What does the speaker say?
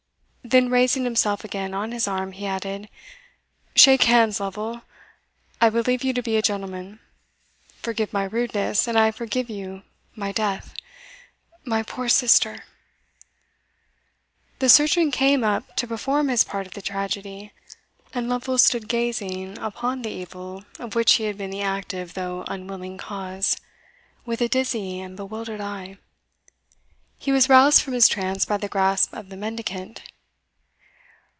Then raising himself again on his arm, he added, "Shake hands, Lovel I believe you to be a gentleman forgive my rudeness, and I forgive you my death My poor sister!" The surgeon came up to perform his part of the tragedy, and Lovel stood gazing on the evil of which he had been the active, though unwilling cause, with a dizzy and bewildered eye. He was roused from his trance by the grasp of the mendicant.